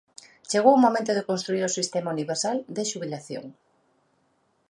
Chegou o momento de construír o sistema universal de xubilación.